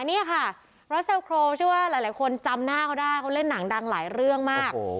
นี่ค่ะเพราะเซลโครเชื่อว่าหลายคนจำหน้าเขาได้เขาเล่นหนังดังหลายเรื่องมาก